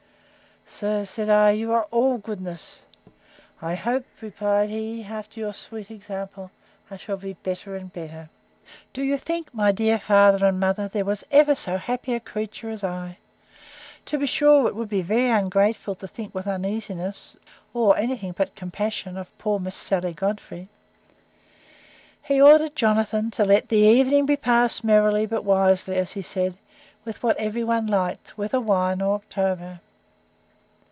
—Sir, said I, you are all goodness!—I hope, replied he, after your sweet example, I shall be better and better. Do you think, my dear father and mother, there ever was so happy a creature as I? To be sure it would be very ungrateful to think with uneasiness, or any thing but compassion, of poor Miss Sally Godfrey. He ordered Jonathan to let the evening be passed merrily, but wisely, as he said, with what every one liked, whether wine or October.